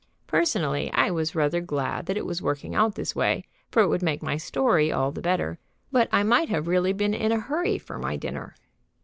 Personally, I was rather glad that it was working out this way, for it would make my story all the better, but I might have really been in a hurry for my dinner.